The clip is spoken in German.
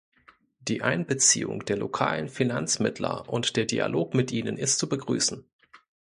Die Einbeziehung der lokalen Finanzmittler und der Dialog mit ihnen ist zu begrüßen.